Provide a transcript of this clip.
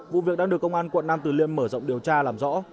vụ việc đang được công an quận nam từ liêm mở rộng điều tra làm rõ